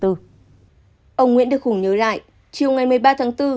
ông nguyễn đức hùng nhớ lại chiều ngày một mươi ba tháng bốn